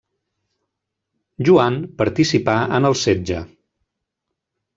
Joan participà en el setge.